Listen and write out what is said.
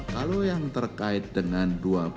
kalau yang terkait dengan dua ribu sembilan belas